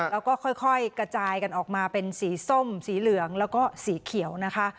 แล้วก็ค่อยกระจายกันออกมาเป็นสีส้มสีเหลืองแล้วก็สีเขียวนะคะ